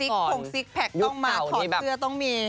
พงซิกแพคต้องมาถอดเสื้อต้องมี